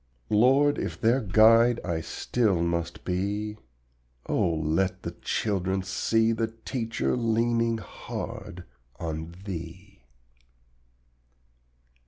Lord, if their guide I still must be, Oh let the little children see The teacher leaning hard on Thee.